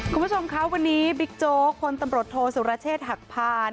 คุณผู้ชมคะวันนี้บิ๊กโจ๊กพลตำรวจโทษสุรเชษฐ์หักพาน